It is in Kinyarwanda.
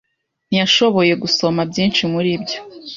Ntiyashoboye gusoma byinshi muri byo.